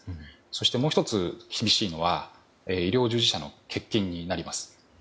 そして、もう１つ厳しいのは医療従事者の欠勤になります。